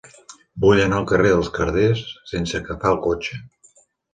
Vull anar al carrer dels Carders sense agafar el cotxe.